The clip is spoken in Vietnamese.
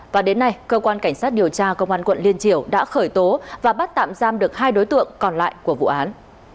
và đến nay cơ quan cảnh sát điều tra công an quận liên triều đã khởi tố và bắt tạm giam được hai đối tượng còn lại của vụ án